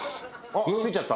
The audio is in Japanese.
あっ！